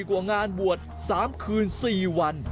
กว่างานบวช๓คืน๔วัน